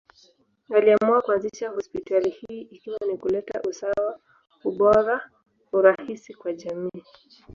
Aliamua kuanzisha hospitali hii ikiwa ni kuleta usawa, ubora, urahisi kwa jamii.